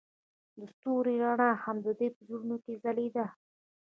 د ستوري رڼا هم د دوی په زړونو کې ځلېده.